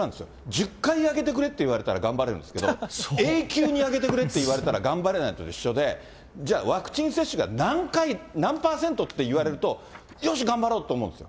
１０回挙げてくれって言われたら頑張れるんですけど、永久に挙げてくれって言われたら、頑張れないのと一緒で、じゃあワクチン接種が何回、何％って言われると、よし頑張ろうと思うんですよ。